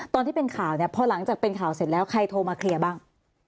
ตอนที่เป็นข่าวเนี่ยพอหลังจากเป็นข่าวเสร็จแล้วใครโทรมาเคลียร์บ้าง